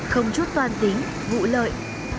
không chút toan tính vụ lợi